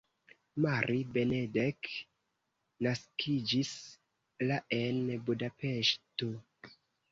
Mari Benedek naskiĝis la en Budapeŝto.